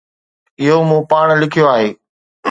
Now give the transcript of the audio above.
اهو مون پاڻ لکيو آهي.